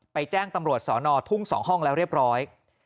แจ้งตำรวจสอนอทุ่ง๒ห้องแล้วเรียบร้อย